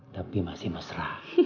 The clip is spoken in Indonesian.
tapi masih mesra